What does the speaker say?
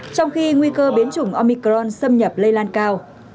trong khi nguy cơ biến chủng omicron xâm nhập lây lan cao